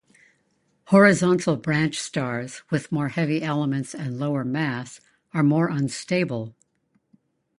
Horizontal-branch stars, with more heavy elements and lower mass, are more unstable.